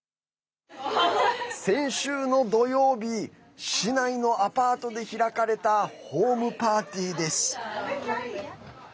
先週の土曜日、市内のアパートで開かれたホームパーティーです。